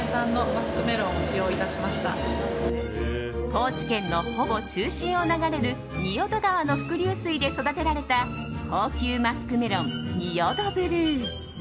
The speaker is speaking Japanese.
高知県の、ほぼ中心を流れる仁淀川の伏流水で育てられた高級マスクメロン、仁淀ブルー。